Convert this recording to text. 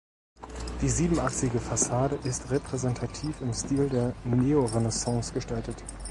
Die siebenachsige Fassade ist repräsentativ im Stil der Neorenaissance gestaltet.